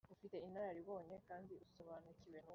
umurenge bifite uruhare mu itangwa